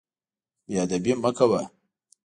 بې ادبي مه کوه.